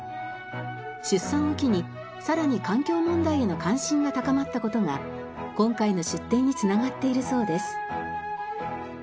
出産を機にさらに環境問題への関心が高まった事が今回の出店に繋がっているそうです。と思ってお店を始めました。